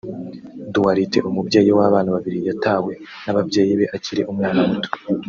Duarte [umubyeyi w’abana babiri] yatawe n’ababyeyi be akiri umwana muto